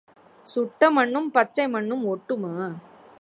சுட்ட மண்ணும் பச்சை மண்ணும் ஒட்டுமா?